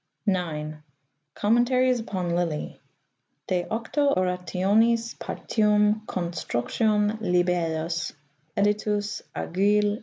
Commentaries upon Lilly ■ "De octo orationis partium con structione Libellus, editus a Guil.